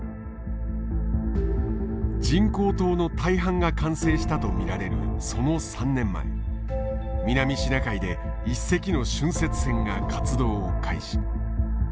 人工島の大半が完成したと見られるその３年前南シナ海で一隻の浚渫船が活動を開始。